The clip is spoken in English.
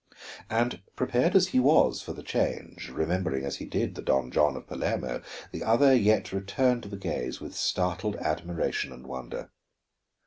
And prepared as he was for the change, remembering as he did the Don John of Palermo, the other yet returned the gaze with startled admiration and wonder.